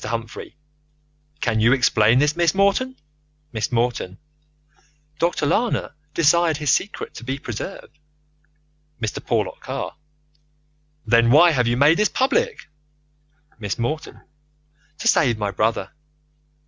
Humphrey. Can you explain this, Miss Morton? Miss Morton: Dr. Lana desired his secret to be preserved. Mr. Porlock Carr: Then why have you made this public? Miss Morton: To save my brother.